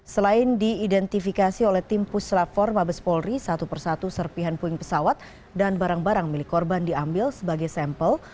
selain diidentifikasi oleh tim puslap empat mabes polri satu persatu serpihan puing pesawat dan barang barang milik korban diambil sebagai sampel